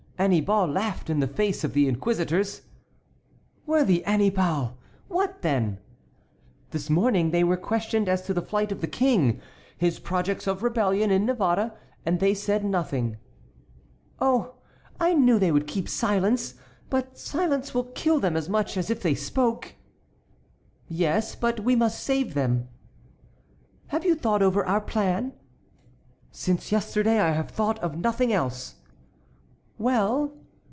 "Annibal laughed in the face of the inquisitors." "Worthy Annibal! What then?" "This morning they were questioned as to the flight of the king, his projects of rebellion in Navarre, and they said nothing." "Oh! I knew they would keep silence; but silence will kill them as much as if they spoke." "Yes, but we must save them." "Have you thought over our plan?" "Since yesterday I have thought of nothing else." "Well?"